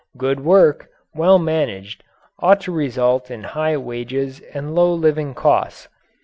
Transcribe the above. Good work, well managed, ought to result in high wages and low living costs.